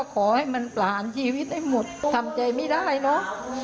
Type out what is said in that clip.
ขอให้มันผ่านชีวิตได้หมดทำใจไม่ได้เนอะ